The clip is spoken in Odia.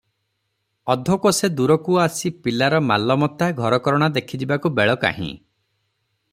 ଅଧକୋଶେ ଦୂରକୁ ଆସି ପିଲାର ମାଲମତା, ଘରକରଣା ଦେଖିଯିବାକୁ ବେଳ କାହିଁ ।